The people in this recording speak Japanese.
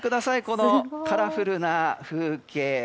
このカラフルな風景。